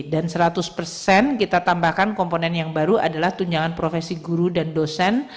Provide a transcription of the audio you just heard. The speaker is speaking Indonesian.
dan seratus kita tambahkan komponen yang baru adalah tunjangan profesi guru dan dosen